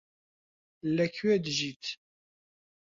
لەکوێ دژیت؟